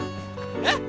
えっ！？